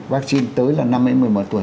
vaccine tới là năm đến một mươi một tuổi